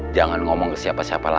jangan ngomong ke siapa siapa lagi